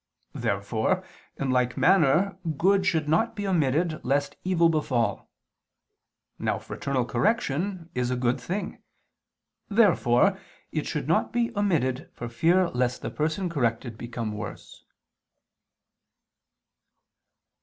Therefore, in like manner, good should not be omitted lest evil befall. Now fraternal correction is a good thing. Therefore it should not be omitted for fear lest the person corrected become worse.